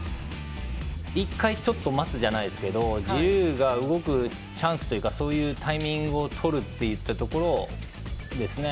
１回ちょっと待つじゃないですけどジルーが動くチャンスというかそういうタイミングをとるところですね。